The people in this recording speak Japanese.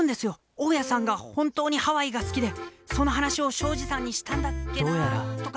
大家さんが本当にハワイが好きでその話を庄司さんにしたんだっけなとか。